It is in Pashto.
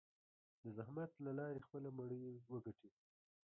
د زحمت له لارې خپله مړۍ وګټي.